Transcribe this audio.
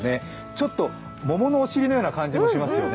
ちょっと桃のお尻のような感じもしますよね。